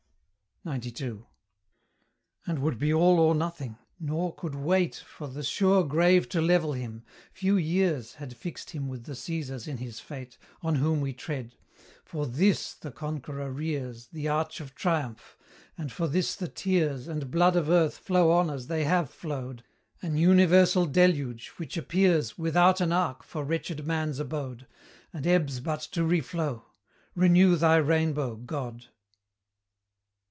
XCII. And would be all or nothing nor could wait For the sure grave to level him; few years Had fixed him with the Caesars in his fate, On whom we tread: For THIS the conqueror rears The arch of triumph! and for this the tears And blood of earth flow on as they have flowed, An universal deluge, which appears Without an ark for wretched man's abode, And ebbs but to reflow! Renew thy rainbow, God!